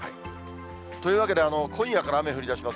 というわけで、今夜から雨降りだします。